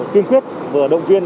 kiên quyết vừa động viên